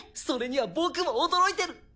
それには僕も驚いてる。